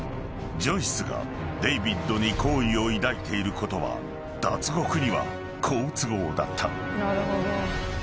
［ジョイスがデイビッドに好意を抱いていることは脱獄には好都合だった］